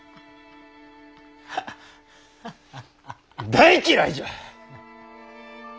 大嫌いじゃ！